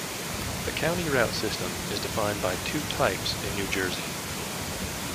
The County Route system is defined by two types in New Jersey.